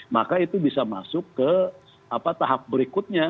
maka itu bisa masuk ke tahap berikutnya